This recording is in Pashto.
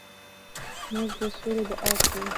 موږ د سولې دعا کوو.